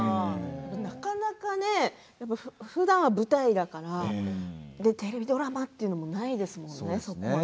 なかなかふだんは舞台だからテレビドラマというのはないですよね。